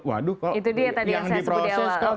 waduh kok yang diproses kok